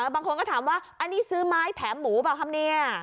บางคนก็ถามว่าอันนี้ซื้อไม้แถมหมูเปล่าครับเนี่ย